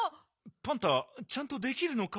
パンタちゃんとできるのか？